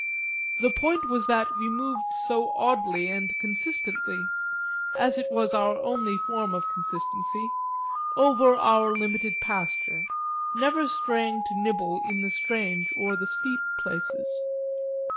The point was that we moved so oddly and consistently as it was our only form of consistency over our limited pasture, never straying to nibble in the strange or the steep places.